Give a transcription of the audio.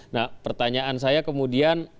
nah pertanyaan saya kemudian